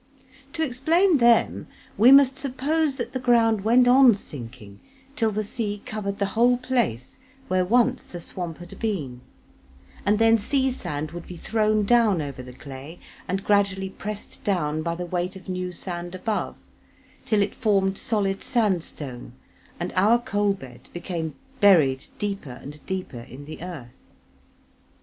To explain them, we must suppose that the ground went on sinking till the sea covered the whole place where once the swamp had been, and then sea sand would be thrown down over the clay and gradually pressed down by the weight of new sand above, till it formed solid sandstone and our coal bed became buried deeper and deeper in the earth.